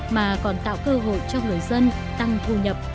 mà còn tạo cơ hội cho người dân tăng thu nhập